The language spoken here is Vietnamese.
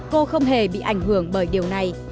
cô không hề bị ảnh hưởng bởi điều này